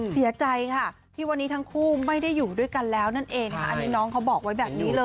เสียใจค่ะที่วันนี้ทั้งคู่ไม่ได้อยู่ด้วยกันแล้วนั่นเองค่ะอันนี้น้องเขาบอกไว้แบบนี้เลย